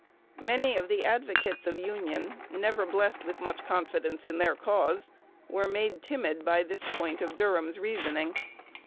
Many of the advocates of union, never blessed with much confidence in their cause, were made timid by this point of Durham's reasoning.